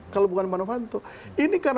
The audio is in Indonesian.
kalau bukan pak novanto ini karena